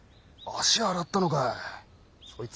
足洗ったのかい。